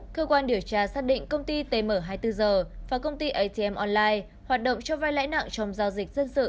cơ quan điều tra xác định công ty tm hai mươi bốn h và công ty atm online hoạt động cho vai lãi nặng trong giao dịch dân sự